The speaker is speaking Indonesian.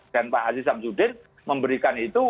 dan pak aziz hamzudin memberikan itu